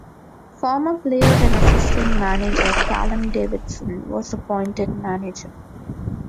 Former player and assistant manager Callum Davidson was appointed manager.